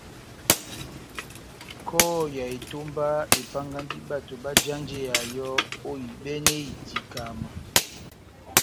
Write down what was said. Kɔhɔ ya etómba epángandi bato bajanjeya yɔ́ ohibɛnɛ itikama.